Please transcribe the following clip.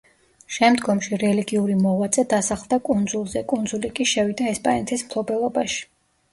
შემდგომში რელიგიური მოღვაწე დასახლდა კუნძულზე, კუნძული კი შევიდა ესპანეთის მფლობელობაში.